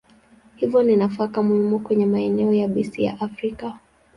Hivyo ni nafaka muhimu kwenye maeneo yabisi ya Afrika.